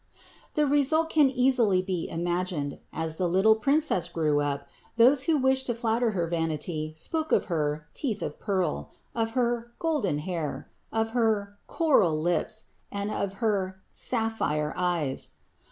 The result can easily be imagined. As the little princess grew up, those who wished to flatter her vanity spoke of her "teeth of pearl," of her "golden hair," of her "coral lips," and of her "sapphire eyes."